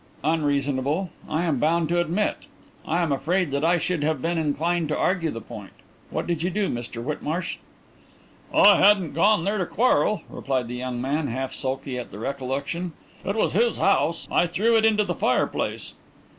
"Unreasonable, I am bound to admit. I am afraid that I should have been inclined to argue the point. What did you do, Mr Whitmarsh?" "I hadn't gone there to quarrel," replied the young man, half sulky at the recollection. "It was his house. I threw it into the fireplace."